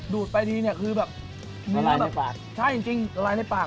ดูดไปดีเนี่ยคือแบบละลายในปากใช่จริงละลายในปาก